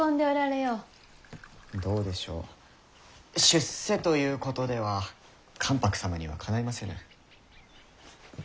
どうでしょう出世ということでは関白様にはかないませぬ。